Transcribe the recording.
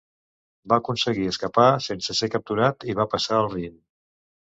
Va aconseguir escapar sense ser capturat i va passar el Rin.